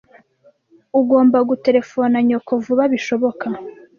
Ugomba guterefona nyoko vuba bishoboka.